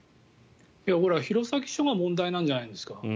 これは弘前署が問題なんじゃないですか。